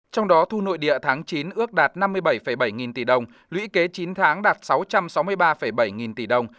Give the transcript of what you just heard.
trong đó thu nội địa tháng chín ước đạt năm mươi bảy bảy nghìn tỷ đồng lũy kế chín tháng đạt sáu trăm sáu mươi ba bảy nghìn tỷ đồng